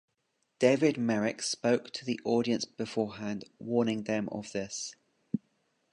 David Merrick spoke to the audience beforehand warning them of this.